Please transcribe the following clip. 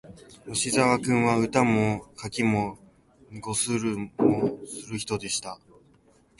吉沢君は、歌も書も碁もする人でした